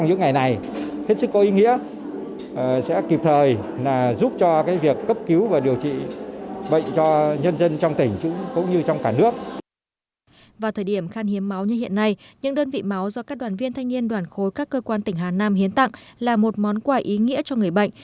vào thời điểm khăn hiếm máu như hiện nay những đơn vị máu do các đoàn viên thanh niên đoàn khối các cơ quan tỉnh hà nam hiến tặng là một món quà ý nghĩa cho người bệnh